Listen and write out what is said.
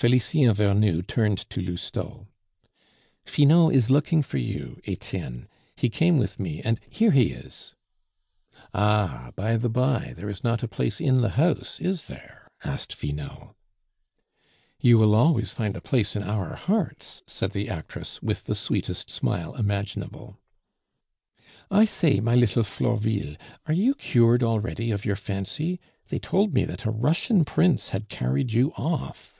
Felicien Vernou turned to Lousteau. "Finot is looking for you, Etienne; he came with me, and here he is!" "Ah, by the by, there is not a place in the house, is there?" asked Finot. "You will always find a place in our hearts," said the actress, with the sweetest smile imaginable. "I say, my little Florville, are you cured already of your fancy? They told me that a Russian prince had carried you off."